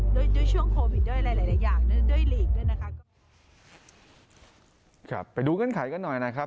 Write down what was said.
ด้วยช่วงโกวิดอธิบายช่วงโลกแบบ